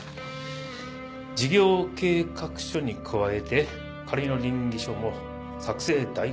事業計画書に加えて仮の稟議書も作成代行する。